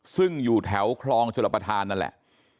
ซึ่งอยู่แถวคลองชลประธานนั่นแหละ